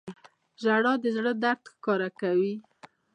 • ژړا د زړه درد ښکاره کوي.